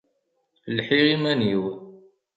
Lḥiɣ iman-iw.